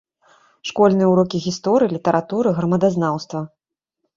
Школьныя ўрокі гісторыі, літаратуры, грамадазнаўства.